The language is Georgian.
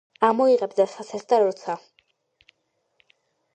ამოიღებდა საცერს, და როცა